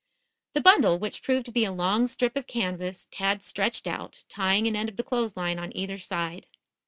The bundle, which proved to be a long strip of canvas, Tad stretched out, tying an end of the clothes line on either side.